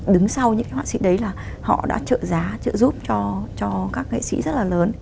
đứng sau những cái họa sĩ đấy là họ đã trợ giá trợ giúp cho các nghệ sĩ rất là lớn